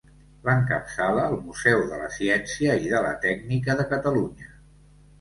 L'encapçala el Museu de la Ciència i de la Tècnica de Catalunya.